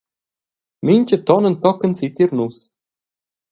Mintgaton entochen si tier nus.